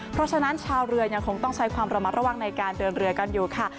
เพราะฉะนั้นชาวเรือยังคงต้องใช้ความระมัดระวังในการเดินเรือกันอยู่ค่ะ